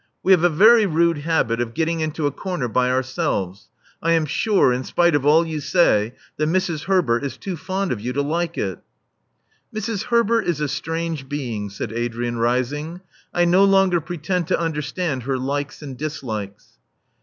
We have a very rude habit of getting into a comer by ourselves. I am sure, in spite of all you say, that Mrs. Herbert is too fond of you to like it/' Mrs. Herbert is a strange being/' said Adrian, rising. I no longer pretend to understand her likes and dislikes.